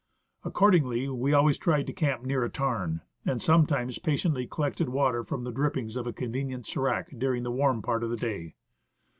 Accordingly, we always tried to camp near a tarn, and some times patiently collected water from the drippings of a con venient s^rac during the warm part of the day.